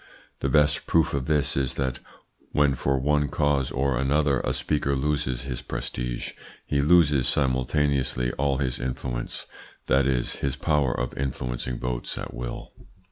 The best proof of this is that when for one cause or another a speaker loses his prestige, he loses simultaneously all his influence, that is, his power of influencing votes at will.